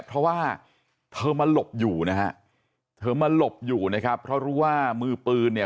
เพราะว่าเธอมาหลบอยู่นะฮะเธอมาหลบอยู่นะครับเพราะรู้ว่ามือปืนเนี่ย